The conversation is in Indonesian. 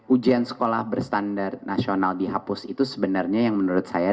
ujian sekolah berstandar nasional dihapus itu sebenarnya yang menurut saya